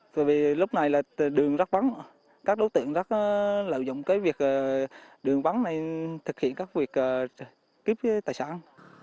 tại vì lúc này là đường rất vắng các đối tượng rất lợi dụng cái việc đường vắng để thực hiện các việc kiếm tài sản